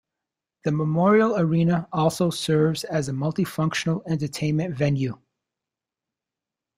The Memorial Arena also serves as a multi-functional entertainment venue.